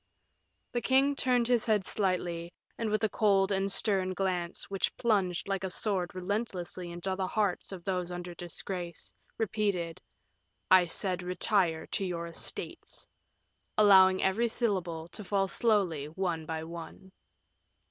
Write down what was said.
The king turned his head slightly, and with a cold and stern glance, which plunged like a sword relentlessly into the hearts of those under disgrace, repeated, "I said retire to your estates," allowing every syllable to fall slowly one by one.